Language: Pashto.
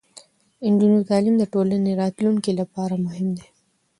د نجونو تعلیم د ټولنې راتلونکي لپاره مهم دی.